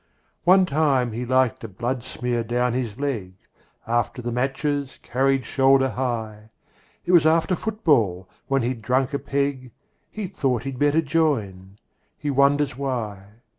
One time he liked a bloodsmear down his leg, After the matches carried shoulder high. It was after football, when he'd drunk a peg, He thought he'd better join. He wonders why